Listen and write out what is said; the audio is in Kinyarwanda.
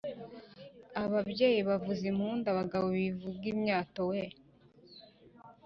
ababyeyi bavuze impundu, abagabo bivuge imyato weee